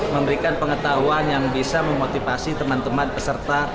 memberikan pengetahuan yang bisa memotivasi teman teman peserta